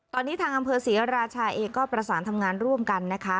ตอนนี้ทางอสริยะราชอาชาเอก็ประสานทำงานร่วมกันนะคะ